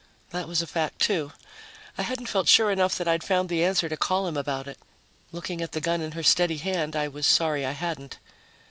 That was a fact, too. I hadn't felt sure enough that I'd found the answer to call him about it. Looking at the gun in her steady hand, I was sorry I hadn't.